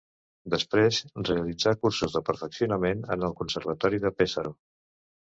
Després realitzà cursos de perfeccionament en el Conservatori de Pesaro.